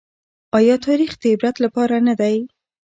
ايا تاريخ د عبرت لپاره نه دی؟